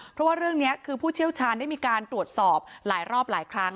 เพราะว่าเรื่องนี้คือผู้เชี่ยวชาญได้มีการตรวจสอบหลายรอบหลายครั้ง